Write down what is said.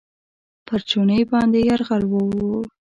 پر چوڼۍ باندې یرغل ورووړ.